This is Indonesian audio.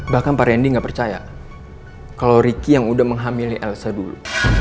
bahkan pak rendy nggak percaya kalau ricky yang udah menghamili elsa dulu